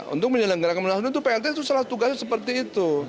untuk menyelenggarakan menahan itu plt itu salah tugasnya seperti itu